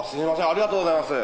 ありがとうございます。